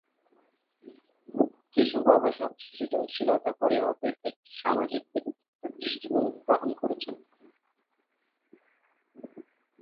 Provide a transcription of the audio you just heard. কিছু গবেষক সৃজনশীলতা পরিমাপের একটি সামাজিক-ব্যক্তিত্ব দৃষ্টিভঙ্গি গ্রহণ করেছেন।